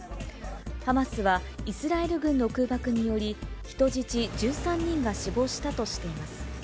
ハマスはイスラエル軍の空爆により、人質１３人が死亡したとしています。